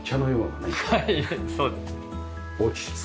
はいそうです。